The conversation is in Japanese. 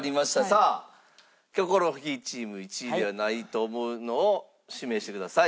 さあキョコロヒーチーム１位ではないと思うのを指名してください。